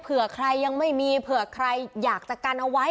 เผื่อใครยังไม่มีเผื่อใครอยากจะกันเอาไว้